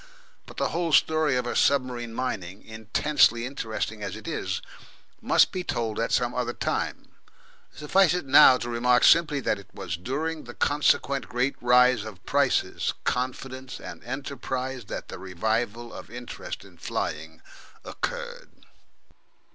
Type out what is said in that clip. But the whole story of her submarine mining, intensely interesting as it is, must be told at some other time; suffice it now to remark simply that it was during the consequent great rise of prices, confidence, and enterprise that the revival of interest in flying occurred.